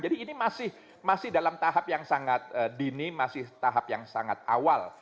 jadi ini masih dalam tahap yang sangat dini masih tahap yang sangat awal